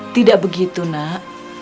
tidak begitu nak